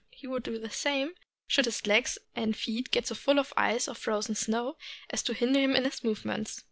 He would do the same should his legs and feet get so full of ice or frozen snow as to hinder him in his movements.